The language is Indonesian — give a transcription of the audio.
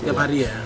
tiap hari ya